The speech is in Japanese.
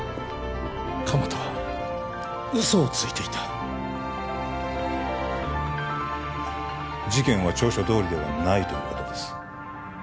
鎌田は嘘をついていた事件は調書どおりではないということです